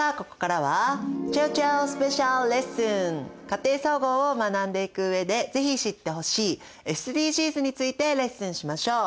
家庭総合を学んでいく上で是非知ってほしいＳＤＧｓについてレッスンしましょう。